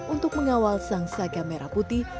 untuk mengawal sang saga merah putih